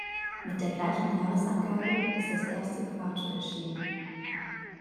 Mit der gleichen Jahresangabe ist das erste Quarto erschienen.